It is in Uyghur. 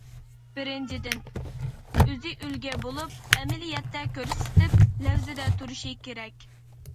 بىرىنچىدىن، ئۆزى ئۈلگە بولۇپ، ئەمەلىيەتتە كۆرسىتىپ، لەۋزىدە تۇرۇشى كېرەك.